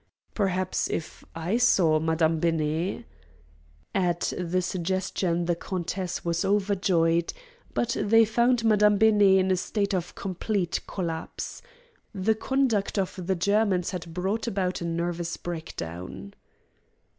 "Perhaps if I saw Madame Benet?" At the suggestion the countess was overjoyed. But they found Madame Benet in a state of complete collapse. The conduct of the Germans had brought about a nervous breakdown.